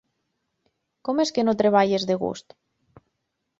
Com es que no treballes de gust?